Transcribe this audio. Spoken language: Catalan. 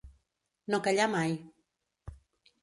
No callar mai.